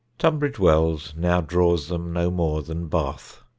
Tunbridge Wells now draws them no more than Bath.